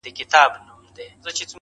o بلا بيده ښه وي، نه ويښه.